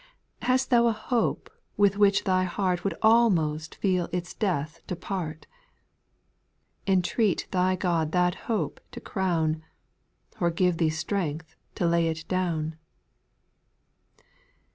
2. Hast Thou a hope with which thy heart Would almost feel it death to part ? Entreat thy God that hoi^e to crown, Or give thee strength to lay it down.